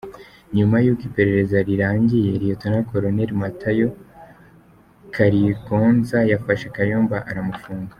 Nyuma y’uko iperereza rirangiye Lt Col Matayo Kyaligonza yafashe Kayumba aramufunga.